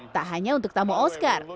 tak hanya untuk tamu oscar